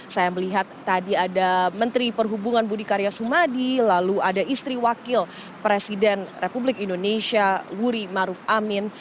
saya melihat tadi ada menteri perhubungan budi karya sumadi lalu ada istri wakil presiden republik indonesia wuri maruf amin